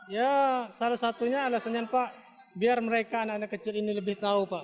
ya salah satunya alasannya pak biar mereka anak anak kecil ini lebih tahu pak